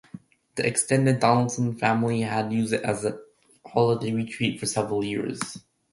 The extended Donaldson family had used it as a holiday retreat for several years.